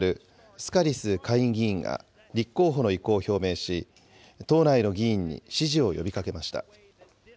スカリス下院議員が立候補の意向を表明し、党内の議員に支持を呼びかけました。